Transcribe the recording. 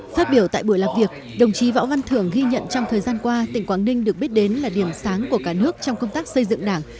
phát biểu tại buổi làm việc đồng chí võ văn thưởng ghi nhận trong thời gian qua tỉnh quảng ninh được biết đến là điểm sáng của cả nước trong công tác xây dựng đảng